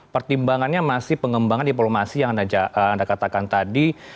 pertimbangannya masih pengembangan diplomasi yang anda katakan tadi